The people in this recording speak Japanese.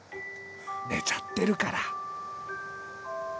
寝ちゃってるから。